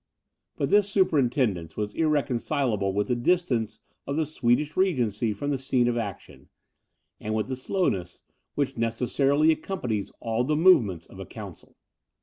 But this superintendence was irreconcileable with the distance of the Swedish regency from the scene of action, and with the slowness which necessarily accompanies all the movements of a council.